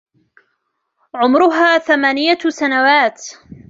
عمرها ثمانية سنوات.